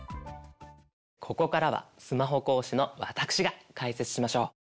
ここからはスマホ講師の私が解説しましょう。